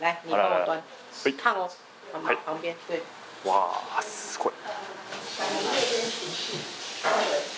わあすごい。